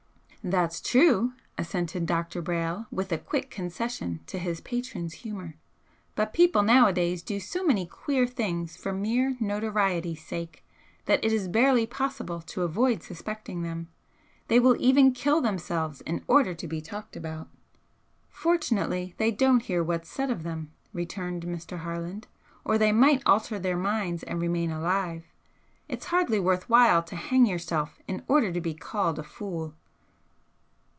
"That's true," assented Dr. Brayle, with a quick concession to his patron's humour. "But people nowadays do so many queer things for mere notoriety's sake that it is barely possible to avoid suspecting them. They will even kill themselves in order to be talked about." "Fortunately they don't hear what's said of them," returned Mr. Harland "or they might alter their minds and remain alive. It's hardly worth while to hang yourself in order to be called a fool!"